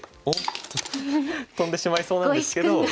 おっとトンでしまいそうなんですけど。